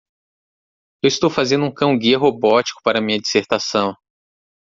Eu estou fazendo um cão-guia robótico para minha dissertação.